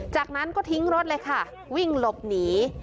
จากนั้นก็ทิ้งรถเลยค่ะวิ่งหลบหนี